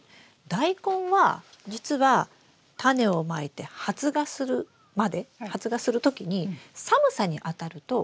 ダイコンは実はタネをまいて発芽するまで発芽するときに寒さにあたるととう立ちしてしまうんです。